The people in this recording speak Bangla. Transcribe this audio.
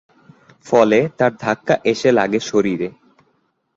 ফলে তার ধাক্কা এসে লাগে শরীরে।